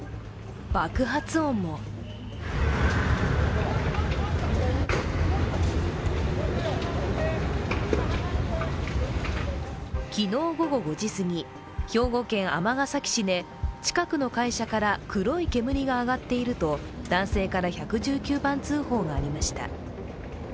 爆発音も昨日午後５時すぎ、兵庫県尼崎市で近くの会社から黒い煙が上がっていると男性から１１９番通報がありました。